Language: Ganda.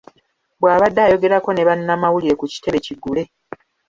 Bw'abadde ayogerako ne bannamawulire ku kitebe kiggule.